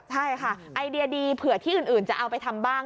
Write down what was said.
ใช่ค่ะไอเดียดีเผื่อที่อื่นจะเอาไปทำบ้าง